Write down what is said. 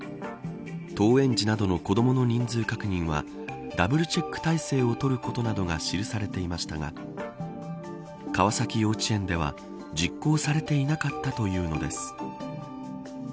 登園時などの子どもの人数確認はダブルチェック体制をとることなどが記されていましたが川崎幼稚園では実行されていなかったというのです。